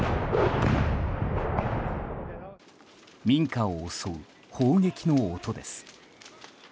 民家を襲う砲撃の音です。